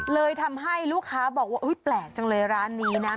เลยทำให้ลูกค้าบอกว่าแปลกจังเลยร้านนี้นะ